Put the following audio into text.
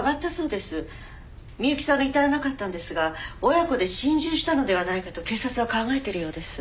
美雪さんの遺体はなかったんですが親子で心中したのではないかと警察は考えてるようです。